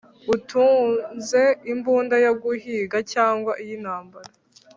Utunze imbunda yo guhiga cyangwa iyintambara